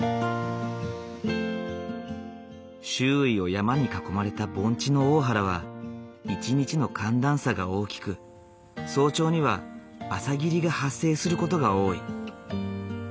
周囲を山に囲まれた盆地の大原は一日の寒暖差が大きく早朝には朝霧が発生する事が多い。